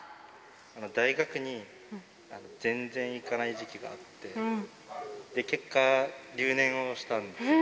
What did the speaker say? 大学に全然行かない時期があって、結果、留年をしたんですね。